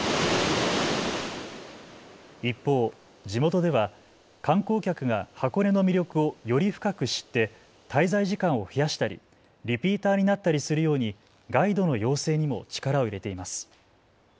一方、地元では観光客が箱根の魅力をより深く知って滞在時間を増やしたりリピーターになったりするようにガイドの養成にも力を入れています。